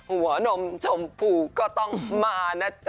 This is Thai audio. หัวหนมชมผูก็ต้องมานะจ๊ะจ๊ะ